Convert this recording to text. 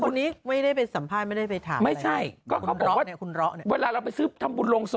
ผู้นี้ไม่ได้ไปสัมภาษณ์ไม่ได้ไปถาม